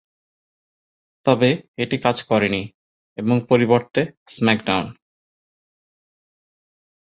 তবে, এটি কাজ করে নি, এবং পরিবর্তে স্ম্যাকডাউন!